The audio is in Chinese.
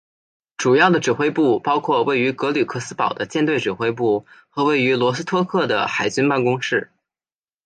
主要的指挥部包括位于格吕克斯堡的舰队指挥部和位于罗斯托克的海军办公室。